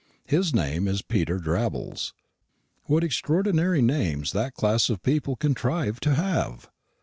His name is Peter Drabbles. What extraordinary names that class of people contrive to have!